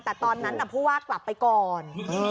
แต่ตอนนั้นผู้ว่ากลับไปก่อน